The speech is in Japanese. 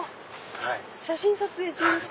写真撮影中ですか